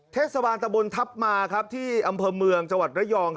เทศบาลตะบนทัพมาที่อำเภอเมืองจังหวัดระยอง